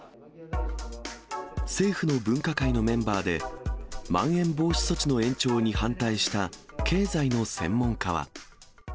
政府の分科会のメンバーで、まん延防止措置の延長に反対した経済の専門家は。